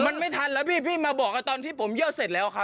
มันไม่ทันนะพี่พี่มาบอกตอนที่ผมเยี่ยวเสร็จแล้ว